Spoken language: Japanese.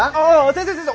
先生先生！